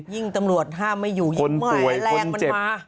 ยิ่งตำรวจห้ามไม่อยู่คนป่วยคนเจ็บ